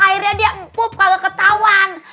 akhirnya dia pup kagak ketauan